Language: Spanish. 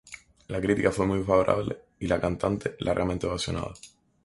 La crítica fue muy favorable y la cantante largamente ovacionada.